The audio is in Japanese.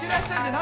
何？